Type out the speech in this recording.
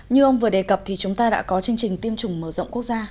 như ông vừa đề cập thì chúng ta đã có chương trình tiêm chủng mở rộng quốc gia